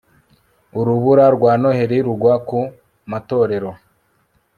Urubura rwa Noheri rugwa ku matorero